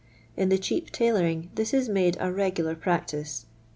In the cheap tailoring this is mode a regular practice.